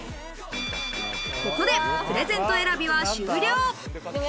ここでプレゼント選びは終了。